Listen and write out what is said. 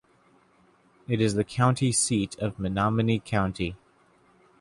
It is the county seat of Menominee County.